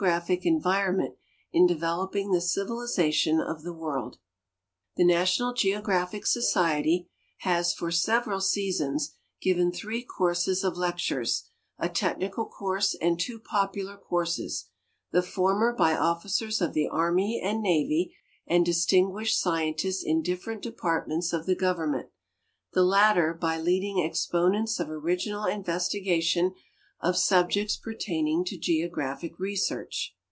\PHIC ENVIRONMENT IN DEVELOPING THE CIVILIZATION OF THE WORLD The National Geographic Society has for several sea.cons given three courses of lectures, a technical course and two popular cour.«es ; the former by othcersof the Army and Navy and distinguish&d scientists in different departments of the Government, the latter by leading exponents of origi nal investigation of subjects i)ertaining to geographic research.